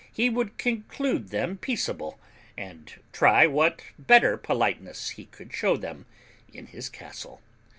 he would conclude them peaceable, and try what better politeness he could show them in his castle.